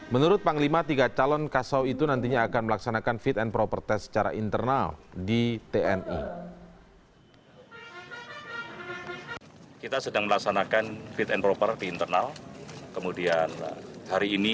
menurut panglima tiga calon kasau itu nantinya akan melaksanakan fit and proper test secara internal di tni